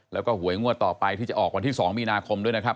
แล้วก็หวยงวดต่อไปที่จะออกวันที่๒มีนาคมด้วยนะครับ